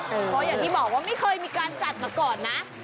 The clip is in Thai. เพราะอย่างที่บอกว่าไม่เคยมีการจัดมาก่อนนะ